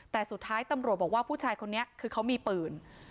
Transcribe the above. แต่สุดท้ายตำรวจบอกว่าผู้ชายคนนี้คือเขามีปืน